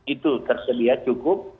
itu tersedia cukup